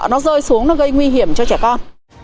nó rơi xuống nó gây nguy hiểm cho trẻ con